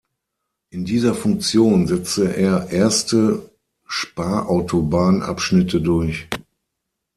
In dieser Funktion setzte er erste „Sparautobahn“-Abschnitte durch.